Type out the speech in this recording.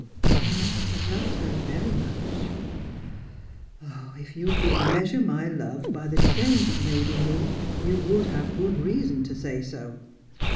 " You must have loved her very much ?"" If you could measure my love by the change it made in me, you would have good reason to say so.